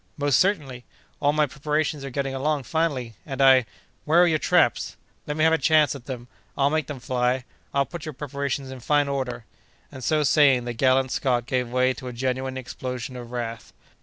"Most certainly! all my preparations are getting along finely, and I—" "Where are your traps? Let me have a chance at them! I'll make them fly! I'll put your preparations in fine order." And so saying, the gallant Scot gave way to a genuine explosion of wrath.